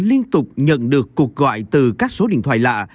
liên tục nhận được cuộc gọi từ các số điện thoại lạ